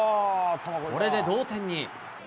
これで同点に。